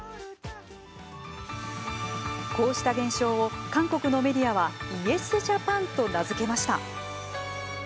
こうした現象を韓国のメディアはイエスジャパンと名付けました。